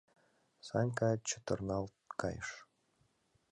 — Санька чытырналт кайыш.